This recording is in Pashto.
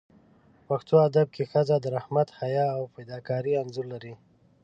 په پښتو ادب کې ښځه د رحمت، حیا او فداکارۍ انځور لري.